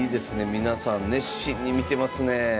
皆さん熱心に見てますね。